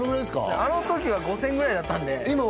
あの時は５０００ぐらいだったんで今は？